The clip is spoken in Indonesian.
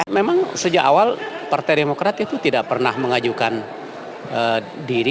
memang sejak awal partai demokrat itu tidak pernah mengajukan diri